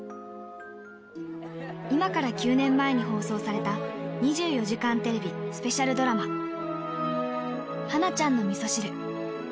今から９年前に放送された２４時間テレビスペシャルドラマ、はなちゃんのみそ汁。